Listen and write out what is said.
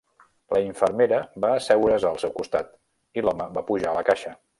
La infermera va asseure's al seu costat i l'home va pujar a la caixa.